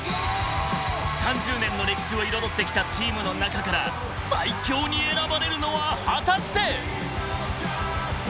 ３０年の歴史を彩ってきたチームの中から最強に選ばれるのは果たして！？